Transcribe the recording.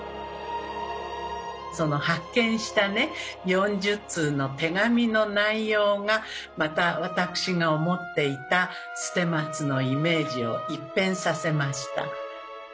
その発見した４０通の手紙の内容がまた私が思っていた捨松のイメージを一変させました。